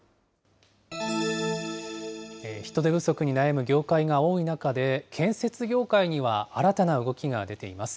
人手不足に悩む業界が多い中で、建設業界には新たな動きが出ています。